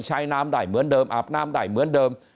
ใช้น้ำได้เหมือนเดิมอาบน้ำได้เหมือนเดิม